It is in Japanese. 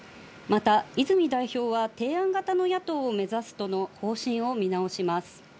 また、泉代表は提案型の野党を目指すとの方針を見直します。